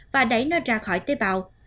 và đẩy nó ra khỏi tế bào